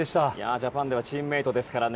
ジャパンではチームメートですからね。